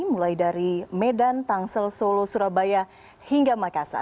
mulai dari medan tangsel solo surabaya hingga makassar